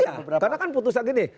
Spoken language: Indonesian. iya karena kan putusan ini